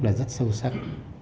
là rất sâu sắc